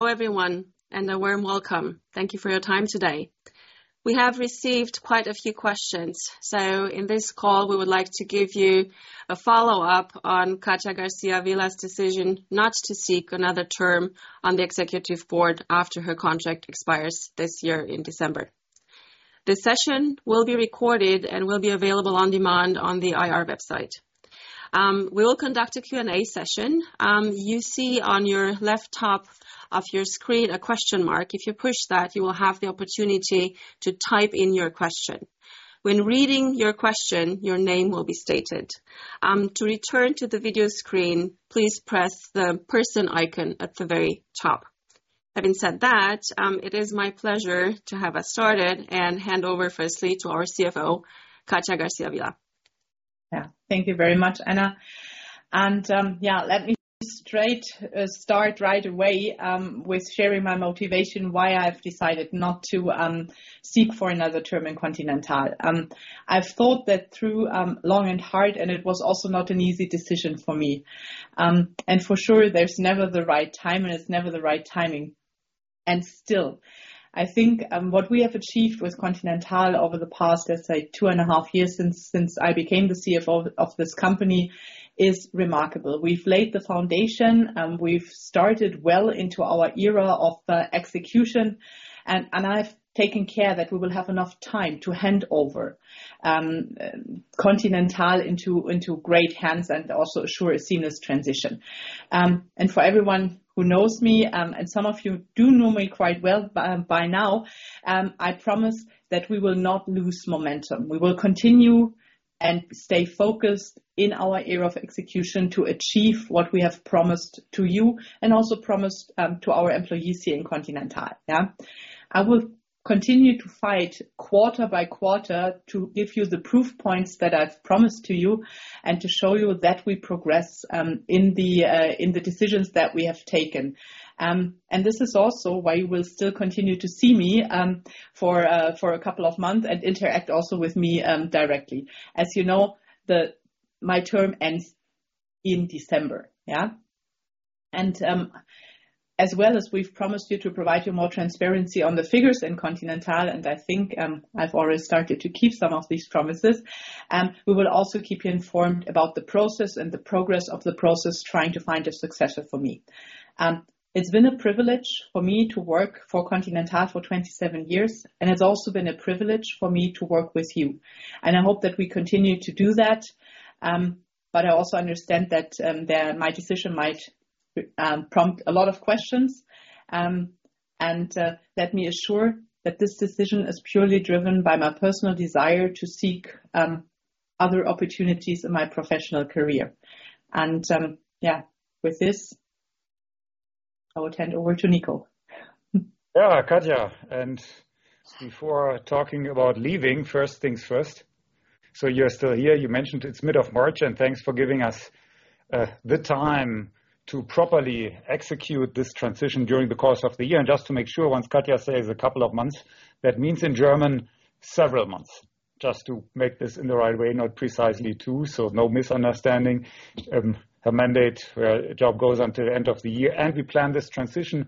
Hello everyone, and a warm welcome. Thank you for your time today. We have received quite a few questions, so in this call we would like to give you a follow-up on Katja García Vila's decision not to seek another term on the Executive Board after her contract expires this year in December. This session will be recorded and will be available on demand on the IR website. We will conduct a Q&A session. You see on your left top of your screen a question mark. If you push that, you will have the opportunity to type in your question. When reading your question, your name will be stated. To return to the video screen, please press the person icon at the very top. Having said that, it is my pleasure to have us started and hand over firstly to our CFO, Katja García Vila. Yeah. Thank you very much, Anna. And yeah, let me straight start right away with sharing my motivation why I've decided not to seek for another term in Continental. I've thought that through long and hard, and it was also not an easy decision for me. And for sure, there's never the right time, and it's never the right timing. And still, I think what we have achieved with Continental over the past, let's say, two and a half years since I became the CFO of this company is remarkable. We've laid the foundation. We've started well into our Era of Execution, and I've taken care that we will have enough time to hand over Continental into great hands and also assure a seamless transition. And for everyone who knows me, and some of you do know me quite well by now, I promise that we will not lose momentum. We will continue and stay focused in our era of execution to achieve what we have promised to you and also promised to our employees here in Continental, yeah? I will continue to fight quarter by quarter to give you the proof points that I've promised to you and to show you that we progress in the decisions that we have taken. This is also why you will still continue to see me for a couple of months and interact also with me directly. As you know, my term ends in December, yeah? As well as we've promised you to provide you more transparency on the figures in Continental, and I think I've already started to keep some of these promises, we will also keep you informed about the process and the progress of the process trying to find a successor for me. It's been a privilege for me to work for Continental for 27 years, and it's also been a privilege for me to work with you. I hope that we continue to do that. But I also understand that my decision might prompt a lot of questions. Let me assure that this decision is purely driven by my personal desire to seek other opportunities in my professional career. Yeah, with this, I would hand over to Nico. Yeah, Katja. And before talking about leaving, first things first. So you're still here. You mentioned it's mid of March, and thanks for giving us the time to properly execute this transition during the course of the year. And just to make sure, once Katja says a couple of months, that means in German, several months. Just to make this in the right way, not precisely two, so no misunderstanding. Her mandate, her job goes until the end of the year. And we plan this transition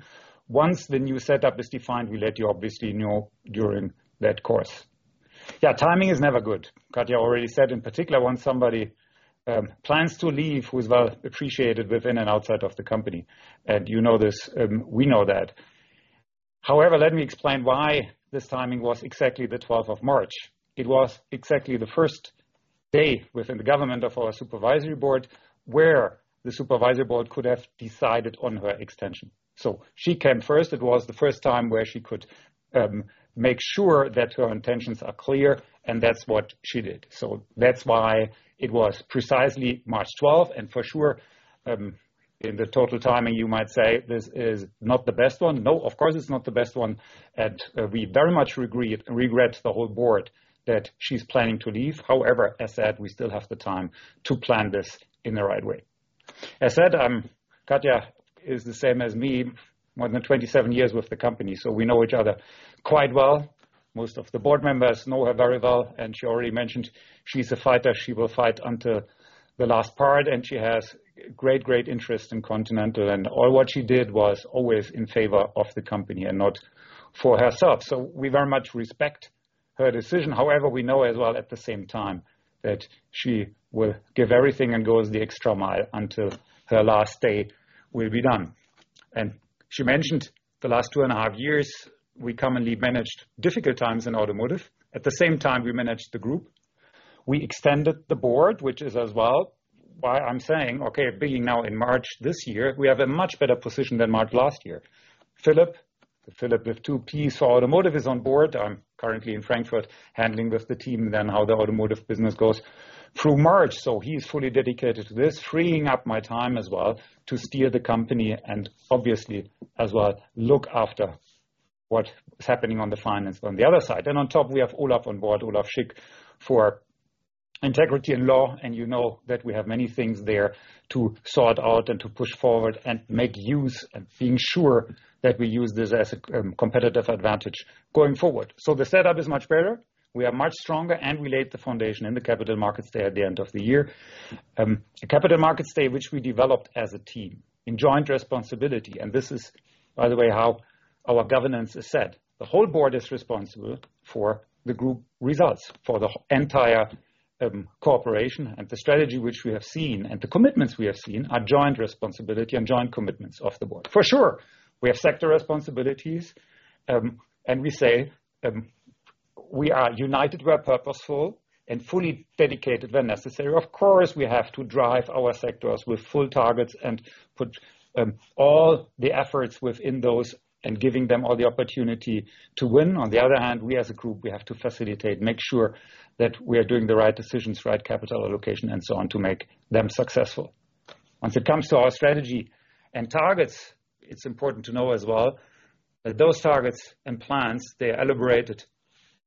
once the new setup is defined. We let you obviously know during that course. Yeah, timing is never good, Katja already said. In particular, when somebody plans to leave, who is well appreciated within and outside of the company. And you know this. We know that. However, let me explain why this timing was exactly the 12th of March. It was exactly the first day within the government of our Supervisory Board where the Supervisory Board could have decided on her extension. So she came first. It was the first time where she could make sure that her intentions are clear, and that's what she did. So that's why it was precisely March 12th. And for sure, in the total timing, you might say this is not the best one. No, of course, it's not the best one. And we very much regret the whole board that she's planning to leave. However, as said, we still have the time to plan this in the right way. As said, Katja is the same as me, more than 27 years with the company. So we know each other quite well. Most of the board members know her very well. And she already mentioned she's a fighter. She will fight until the last part. She has great, great interest in Continental. All what she did was always in favor of the company and not for herself. So we very much respect her decision. However, we know as well at the same time that she will give everything and go the extra mile until her last day will be done. She mentioned the last two and a half years we commonly managed difficult times in Automotive. At the same time, we managed the group. We extended the board, which is as well why I'm saying, okay, beginning now in March this year, we have a much better position than March last year. Philipp, the Philipp with two Ps, for Automotive is on board. I'm currently in Frankfurt handling with the team then how the Automotive business goes through March. So he's fully dedicated to this, freeing up my time as well to steer the company and obviously as well look after what's happening on the finance on the other side. And on top, we have Olaf on board, Olaf Schick, for Integrity and Law. And you know that we have many things there to sort out and to push forward and make use and being sure that we use this as a competitive advantage going forward. So the setup is much better. We are much stronger, and we laid the foundation in the Capital Markets Day at the end of the year. A Capital Markets Day which we developed as a team in joint responsibility. And this is, by the way, how our governance is set. The whole board is responsible for the group results, for the entire corporation. The strategy which we have seen and the commitments we have seen are joint responsibility and joint commitments of the board. For sure, we have sector responsibilities. We say we are united, we are purposeful, and fully dedicated when necessary. Of course, we have to drive our sectors with full targets and put all the efforts within those and giving them all the opportunity to win. On the other hand, we as a group, we have to facilitate, make sure that we are doing the right decisions, right capital allocation, and so on to make them successful. Once it comes to our strategy and targets, it's important to know as well that those targets and plans, they are elaborated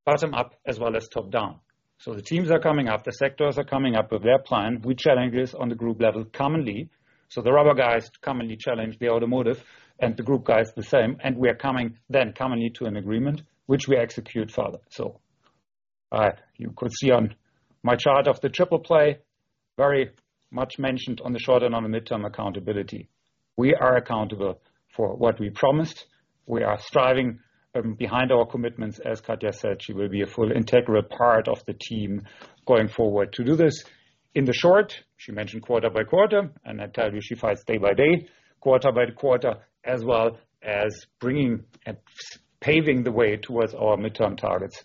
bottom up as well as top down. The teams are coming up. The sectors are coming up with their plan. We challenge this on the group level commonly. So the rubber guys commonly challenge the automotive, and the group guys the same. We are coming then commonly to an agreement which we execute further. You could see on my chart of the Triple Play, very much mentioned on the short and on the midterm accountability. We are accountable for what we promised. We are striving behind our commitments. As Katja said, she will be a full integral part of the team going forward to do this. In the short, she mentioned quarter by quarter, and I tell you, she fights day by day, quarter by quarter, as well as paving the way towards our midterm targets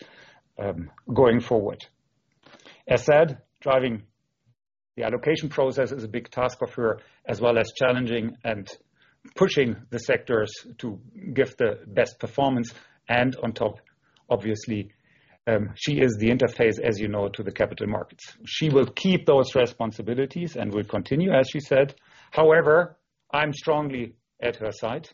going forward. As said, driving the allocation process is a big task of her as well as challenging and pushing the sectors to give the best performance. And on top, obviously, she is the interface, as you know, to the capital markets. She will keep those responsibilities and will continue, as she said. However, I'm strongly at her side.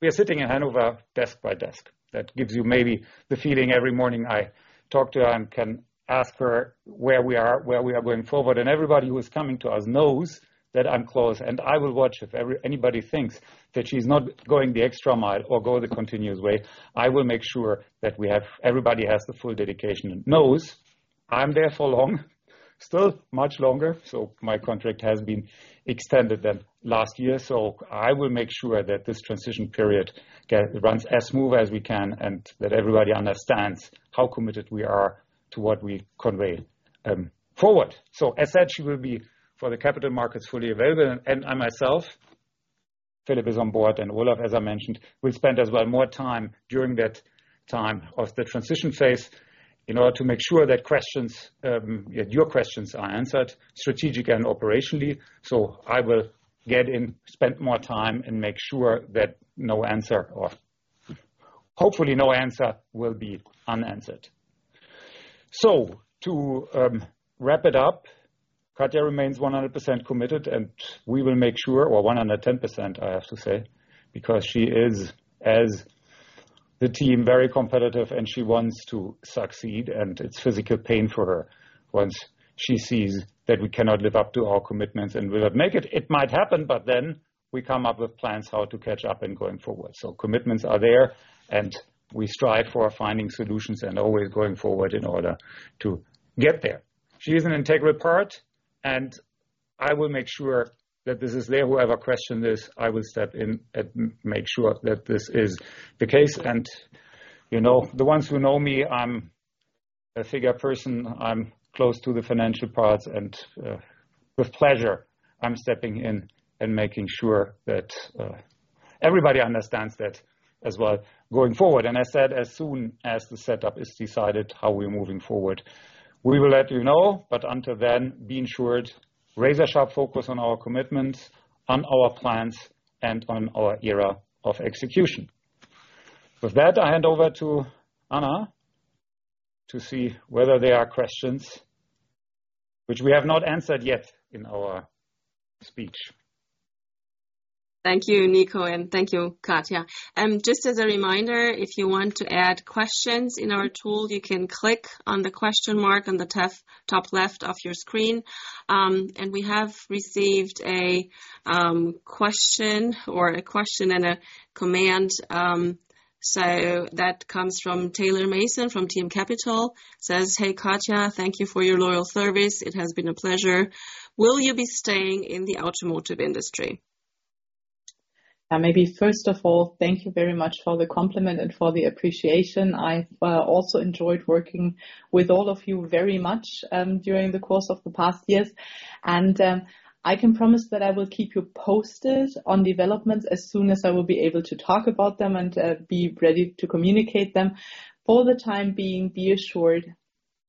We are sitting in Hanover desk by desk. That gives you maybe the feeling every morning I talk to her. I can ask her where we are, where we are going forward. And everybody who is coming to us knows that I'm close. And I will watch if anybody thinks that she's not going the extra mile or going the continuous way. I will make sure that everybody has the full dedication and knows I'm there for long, still much longer. So my contract has been extended then last year. So I will make sure that this transition period runs as smooth as we can and that everybody understands how committed we are to what we convey forward. So as said, she will be for the capital markets fully available. And I myself, Philipp is on board, and Olaf, as I mentioned, will spend as well more time during that time of the transition phase in order to make sure that your questions are answered strategic and operationally. So I will get in, spend more time, and make sure that no answer or hopefully, no answer will be unanswered. So to wrap it up, Katja remains 100% committed, and we will make sure or 110%, I have to say, because she is, as the team, very competitive, and she wants to succeed. And it's physical pain for her once she sees that we cannot live up to our commitments and will not make it. It might happen, but then we come up with plans how to catch up and going forward. So commitments are there, and we strive for finding solutions and always going forward in order to get there. She is an integral part, and I will make sure that this is there. Whoever questioned this, I will step in and make sure that this is the case. The ones who know me, I'm a figure person. I'm close to the financial parts. With pleasure, I'm stepping in and making sure that everybody understands that as well going forward. As said, as soon as the setup is decided, how we are moving forward, we will let you know. Until then, being sure to razor-sharp focus on our commitments, on our plans, and on our era of execution. With that, I hand over to Anna to see whether there are questions which we have not answered yet in our speech. Thank you, Nico, and thank you, Katja. Just as a reminder, if you want to add questions in our tool, you can click on the question mark on the top left of your screen. We have received a question or a question and a command. That comes from Taylor Mason from Team Capital. Says, "Hey, Katja, thank you for your loyal service. It has been a pleasure. Will you be staying in the automotive industry? Yeah, maybe first of all, thank you very much for the compliment and for the appreciation. I've also enjoyed working with all of you very much during the course of the past years. I can promise that I will keep you posted on developments as soon as I will be able to talk about them and be ready to communicate them. For the time being, be assured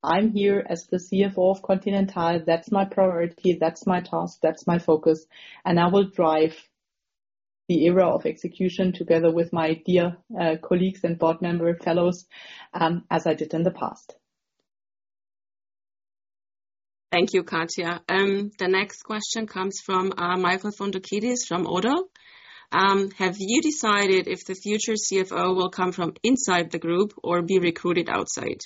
I'm here as the CFO of Continental. That's my priority. That's my task. That's my focus. And I will drive the era of execution together with my dear colleagues and board member fellows as I did in the past. Thank you, Katja. The next question comes from Michael Foundoukidis from Oddo. Have you decided if the future CFO will come from inside the group or be recruited outside?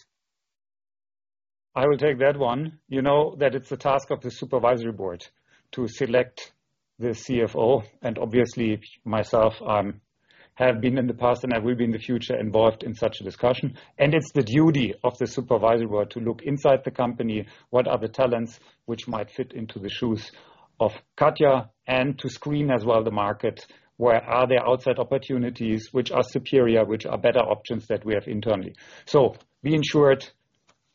I will take that one. You know that it's the task of the Supervisory Board to select the CFO. Obviously, myself, I have been in the past, and I will be in the future involved in such a discussion. It's the duty of the Supervisory Board to look inside the company, what are the talents which might fit into the shoes of Katja, and to screen as well the market. Where are there outside opportunities which are superior, which are better options that we have internally? So, being sure,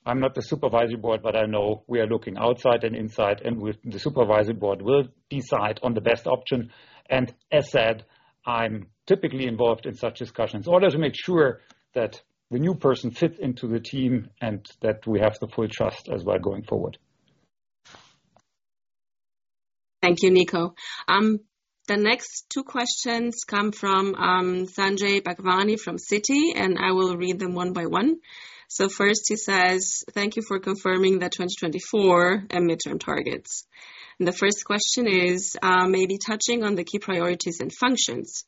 I'm not the Supervisory Board, but I know we are looking outside and inside, and the Supervisory Board will decide on the best option. As said, I'm typically involved in such discussions in order to make sure that the new person fits into the team and that we have the full trust as well going forward. Thank you, Nico. The next two questions come from Sanjay Bhagwani from Citi, and I will read them one by one. First, he says, "Thank you for confirming the 2024 and midterm targets." The first question is maybe touching on the key priorities and functions.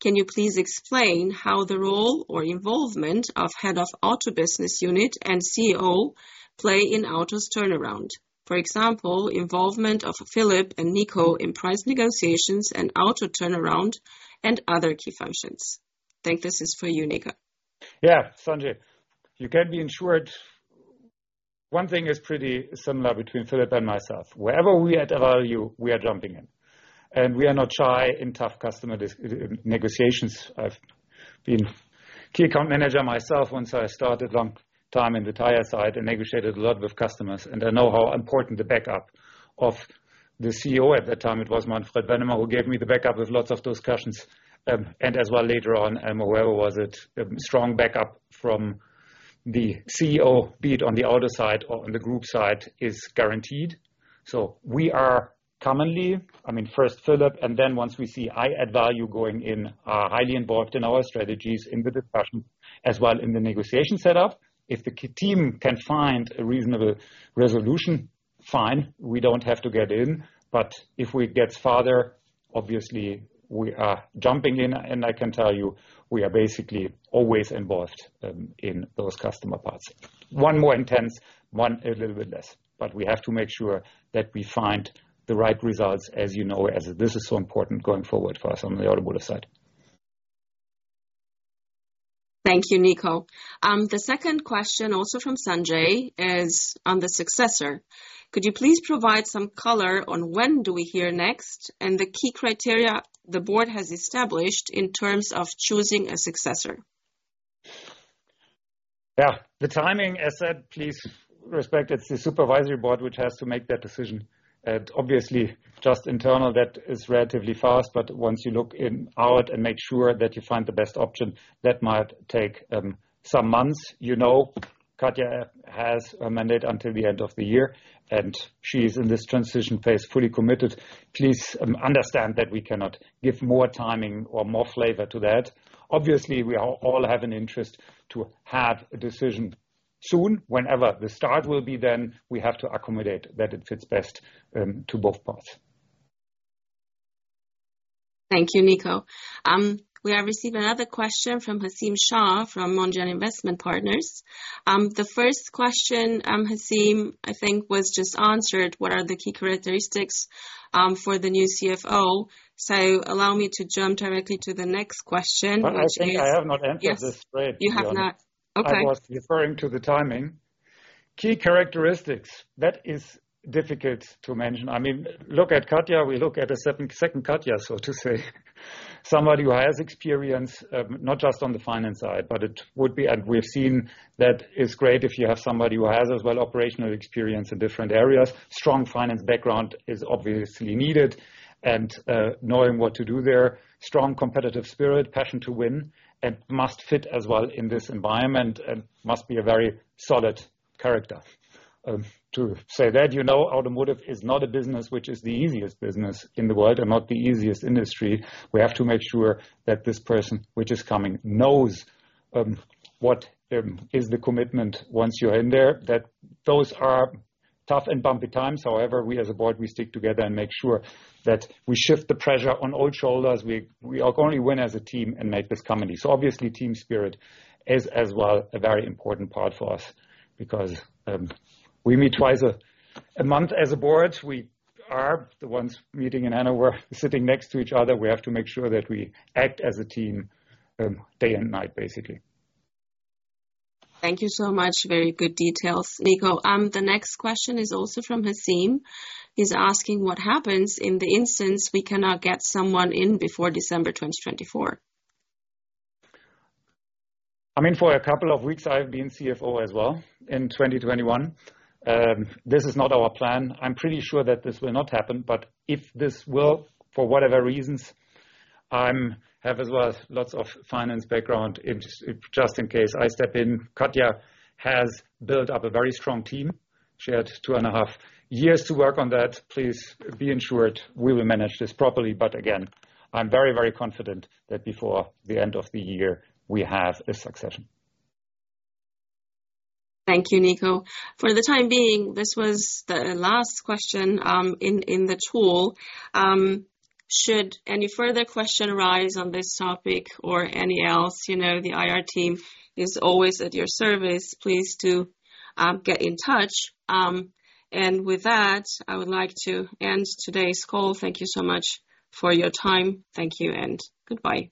Can you please explain how the role or involvement of head of auto business unit and CEO play in auto's turnaround? For example, involvement of Philipp and Nico in price negotiations and auto turnaround and other key functions. I think this is for you, Nico. Yeah, Sanjay, you can be assured one thing is pretty similar between Philipp and myself. Wherever we are at value, we are jumping in. We are not shy in tough customer negotiations. I've been key account manager myself once I started a long time in the tire side and negotiated a lot with customers. I know how important the backup of the CEO at that time; it was Manfred Wennemer, who gave me the backup with lots of discussions. As well later on, whoever was it, a strong backup from the CEO, be it on the auto side or on the group side, is guaranteed. We are commonly, I mean, first Philipp, and then once we see I at value going in, highly involved in our strategies in the discussions as well in the negotiation setup. If the team can find a reasonable resolution, fine, we don't have to get in. But if we get farther, obviously, we are jumping in. And I can tell you, we are basically always involved in those customer parts. One more intense, one a little bit less. But we have to make sure that we find the right results, as you know, as this is so important going forward for us on the automotive side. Thank you, Nico. The second question also from Sanjay is on the successor. Could you please provide some color on when do we hear next and the key criteria the board has established in terms of choosing a successor? Yeah, the timing, as said, please respect. It's the Supervisory Board which has to make that decision. Obviously, just internal, that is relatively fast. But once you look out and make sure that you find the best option, that might take some months. You know Katja has a mandate until the end of the year, and she is in this transition phase fully committed. Please understand that we cannot give more timing or more flavor to that. Obviously, we all have an interest to have a decision soon. Whenever the start will be then, we have to accommodate that it fits best to both parts. Thank you, Nico. We have received another question from Hasim Shah from Mondrian Investment Partners. The first question, Hasim, I think was just answered. What are the key characteristics for the new CFO? Allow me to jump directly to the next question. But I think I have not answered this thread. You have not. Okay. I was referring to the timing. Key characteristics, that is difficult to mention. I mean, look at Katja. We look at a second Katja, so to say, somebody who has experience not just on the finance side, but it would be, and we've seen that is great if you have somebody who has as well operational experience in different areas. Strong finance background is obviously needed and knowing what to do there, strong competitive spirit, passion to win, and must fit as well in this environment and must be a very solid character. To say that, you know automotive is not a business which is the easiest business in the world and not the easiest industry. We have to make sure that this person which is coming knows what is the commitment once you're in there, that those are tough and bumpy times. However, we as a board, we stick together and make sure that we shift the pressure on old shoulders. We only win as a team and make this company. So obviously, team spirit is as well a very important part for us because we meet twice a month as a board. We are the ones meeting in Hanover. We're sitting next to each other. We have to make sure that we act as a team day and night, basically. Thank you so much. Very good details, Nico. The next question is also from Hasim. He's asking what happens in the instance we cannot get someone in before December 2024? I mean, for a couple of weeks, I have been CFO as well in 2021. This is not our plan. I'm pretty sure that this will not happen. But if this will, for whatever reasons, I have as well lots of finance background just in case I step in. Katja has built up a very strong team. She had 2.5 years to work on that. Please be assured we will manage this properly. But again, I'm very, very confident that before the end of the year, we have a succession. Thank you, Nico. For the time being, this was the last question in the tool. Should any further question arise on this topic or any else, the IR team is always at your service. Please do get in touch. With that, I would like to end today's call. Thank you so much for your time. Thank you and goodbye.